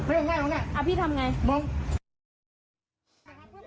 พี่เขาบอกพี่ไปขยับกระจก๕๖ทีเพื่อมองหน้ามองเขาเนี่ยจริงมั้ย